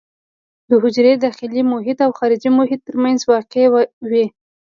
د حجرې داخلي محیط او خارجي محیط ترمنځ واقع وي.